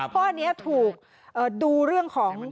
เพราะอันนี้ถูกดูเรื่องของ